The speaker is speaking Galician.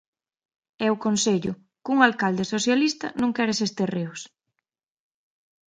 E o concello, cun alcalde socialista, non quere eses terreos.